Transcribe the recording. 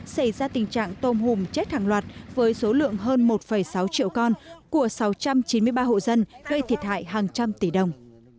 xảy ra tình trạng tôm hùm chết hàng loạt với số lượng hơn một sáu triệu con của sáu trăm chín mươi ba hộ dân gây thiệt hại hàng trăm tỷ đồng